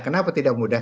kenapa tidak mudah